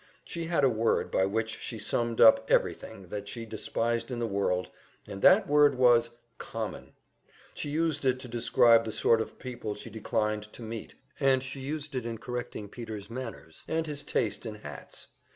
She had a word by which she summed up everything that she despised in the world, and that word was "common;" she used it to describe the sort of people she declined to meet, and she used it in correcting Peter's manners and his taste in hats.